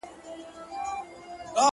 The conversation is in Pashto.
که تریخ دی زما دی ـ